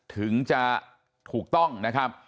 ถึงจะถูกต้องนะครับ